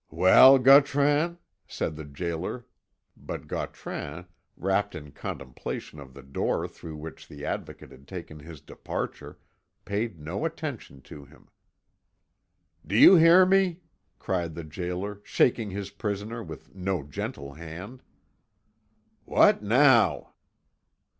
"Well, Gautran?" said the gaoler, but Gautran, wrapped in contemplation of the door through which the Advocate had taken his departure, paid no attention to him. "Do you hear me?" cried the gaoler, shaking his prisoner with no gentle hand. "What now?"